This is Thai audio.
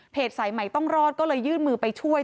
สายใหม่ต้องรอดก็เลยยื่นมือไปช่วย